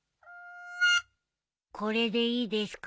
これでいいですか。